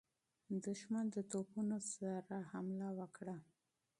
دښمن د توپونو سره حمله وکړه.